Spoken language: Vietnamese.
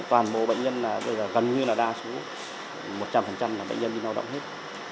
toàn bộ bệnh nhân là bây giờ gần như là đa số một trăm linh là bệnh nhân đi lao động hết